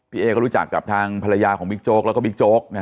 เอ๊ก็รู้จักกับทางภรรยาของบิ๊กโจ๊กแล้วก็บิ๊กโจ๊กนะฮะ